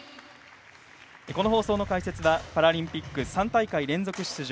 この放送の解説はパラリンピック３大会連続出場